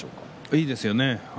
いいですよね。